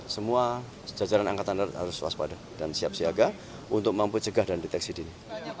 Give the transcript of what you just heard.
semua jajaran angkatan harus waspada dan siap siaga untuk mampu jegah dan deteksi diri